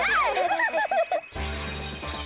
ハハハハ！